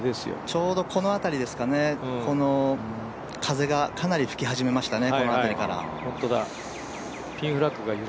ちょうどこの辺りですかね、風がかなり吹き始めましたね。